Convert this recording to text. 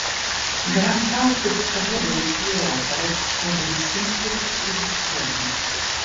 Gran parte tuttavia delle sue opere sono di semplice attribuzione.